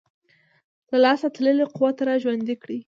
له لاسه تللی قوت را ژوندی کړي.